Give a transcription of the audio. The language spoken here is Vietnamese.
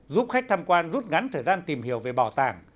giúp khách tham quan rút ngắn thời gian tìm hiểu về bảo tàng